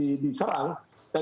plaja di burund layer